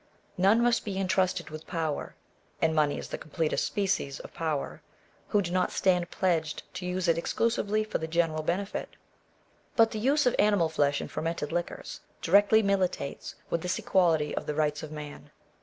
None must be entrusted with power (and money is the completest species of power) who do not stand pledged to use it exclusively for the general benefit. But the use of animal flesh and fermented liquors, directly militates with this equality of the rights of man.